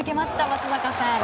松坂さん。